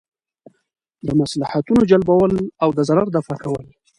ب : د مصلحتونو جلبول او د ضرر دفعه کول